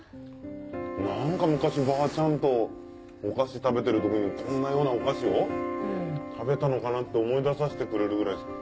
何か昔ばあちゃんとお菓子食べてる時にこんなようなお菓子を食べたのかなと思い出せてくれるぐらい。